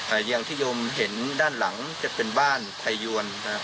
อ่ายางทิยมเห็นด้านหลังจะเป็นบ้านไทยยวน